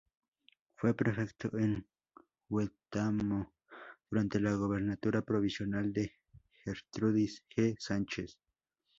Fue prefecto en Huetamo durante la gubernatura provisional de Gertrudis G. Sánchez.